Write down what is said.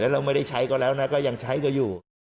เราไม่ได้ใช้ก็แล้วนะก็ยังใช้กันอยู่